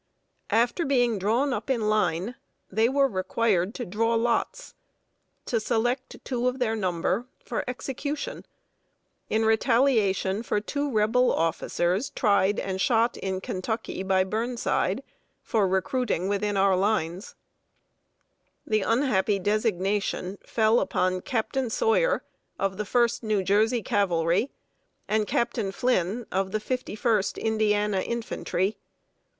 After being drawn up in line, they were required to draw lots, to select two of their number for execution, in retaliation for two Rebel officers, tried and shot in Kentucky by Burnside, for recruiting within our lines. [Sidenote: TWO SELECTED FOR EXECUTION.] The unhappy designation fell upon Captain Sawyer, of the First New Jersey Cavalry, and Captain Flynn, of the Fifty first Indiana Infantry.